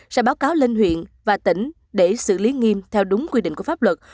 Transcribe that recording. sẽ báo cáo lên huyện và tỉnh để xử lý nghiêm theo đúng quy định của pháp luật